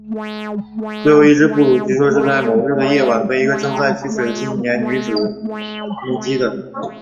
最后一只布鲁据说是在某日的夜晚被一个正在取水的年轻女子目击的。